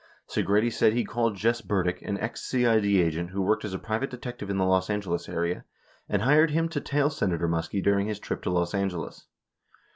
Segretti said he called Jess Burdick, an ex CID agent who worked as a private detective in the Los Angeles area, and hired him to tail Senator Muskie during his trip to Los Angeles.